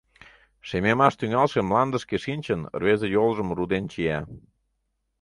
Шемемаш тӱҥалше мландышке шинчын, рвезе йолжым руден чия.